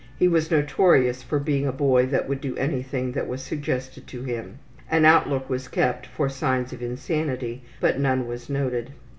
He was notorious for being a boy that would do anything that was suggested to him. An outlook was kept for signs of insanity, but none was noted.